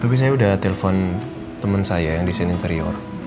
tapi saya udah telpon temen saya yang desain interior